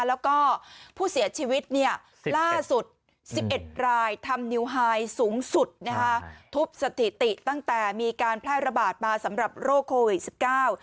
แล้วก็ผู้เสียชีวิตเนี่ยล่าสุดสิบเอ็ดรายทำนิวไฮสูงสุดนะคะทุบสถิติตั้งแต่มีการแพร่ระบาดมาสำหรับโรคโควิดสิบเก้า